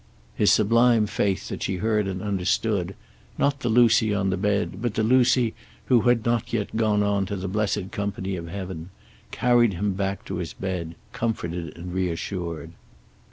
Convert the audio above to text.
His sublime faith that she heard and understood, not the Lucy on the bed but the Lucy who had not yet gone on to the blessed company of heaven, carried him back to his bed, comforted and reassured.